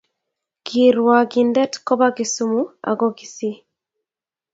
Kirwakindet ko ba Kisumu amo Kisii